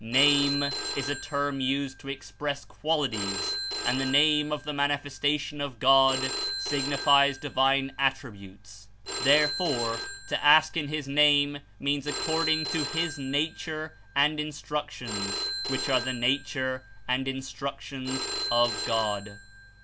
"Name" Is a term used to express qualities, and the Name of the Manifestation of God signifies divine attributes; therefore, to ask In his Name means ac cording to his nature and Instructions, which are the nature and Instructions of God.